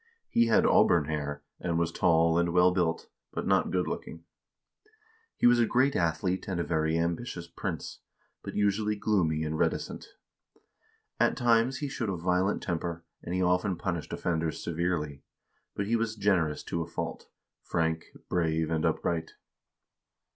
He had auburn hair, and was tall and well built, but not good look ing. He was a great athlete and a very ambitious prince, but usually gloomy and reticent. At times he showed a violent temper, and he often punished offenders severely; but he was generous to a fault, frank, brave, and upright.